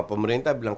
sama pemerintah bilang